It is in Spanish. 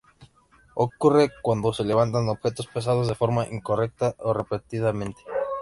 Ocurre cuando se levantan objetos pesados de forma incorrecta o repetidamente.